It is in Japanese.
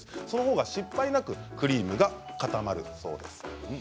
そのほうが失敗なくクリームが固まるそうです。